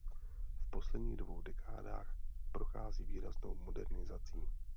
V posledních dvou dekádách prochází výraznou modernizací.